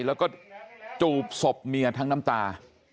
แล้วก็จูบศพเมียทั้งน้ำตา